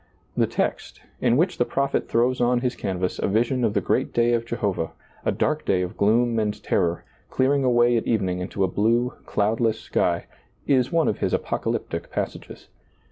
The text, in which the prophet throws on his canvas a vision of the great day of Jehovah, a dark day of gloom and terror, clearing away at evening into a blue, cloudless sky, is one of his apocalyptic passages.